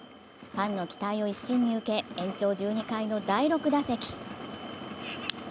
ファンの期待を一身に受け、延長１２回の第６打席。